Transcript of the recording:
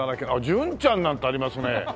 「純ちゃん」なんてありますね。